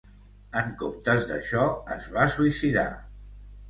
En comptes d'això, es va suïcidar.